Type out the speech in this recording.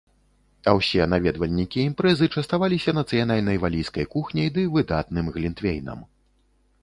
А ўсе наведвальнікі імпрэзы частаваліся нацыянальнай валійскай кухняй ды выдатным глінтвейнам.